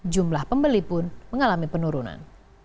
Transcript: jumlah pembeli pun mengalami penurunan